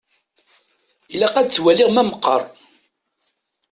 Ilaq ad t-waliɣ ma meqqer.